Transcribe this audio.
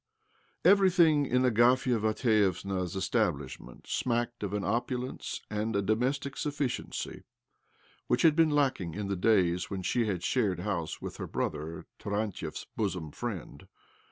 Everything in Agafia Mat vievna's establishment smacked of an opu lence and a domestic sufficiency which had been lacking in the days when she had shared house with her brother, Tarantiev's bosom friend.